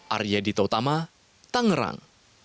arya dita utama tangerang